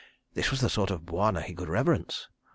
This was the sort of bwana he could reverence.